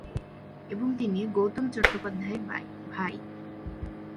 এবং তিনি গৌতম চট্টোপাধ্যায়ের ভাই।